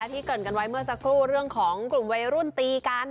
เกริ่นกันไว้เมื่อสักครู่เรื่องของกลุ่มวัยรุ่นตีกัน